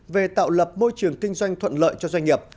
về tạo lập môi trường kinh doanh thuận lợi cho doanh nghiệp